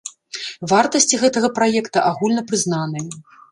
Вартасці гэтага праекта агульна прызнаныя.